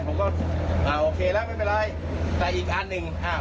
ผมก็อ่าโอเคแล้วไม่เป็นไรแต่อีกอันหนึ่งอ้าว